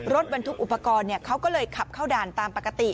รถบรรทุกอุปกรณ์เขาก็เลยขับเข้าด่านตามปกติ